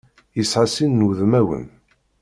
Yesɛa sin n wudmawen.